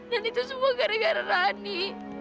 dan itu semua gara gara rani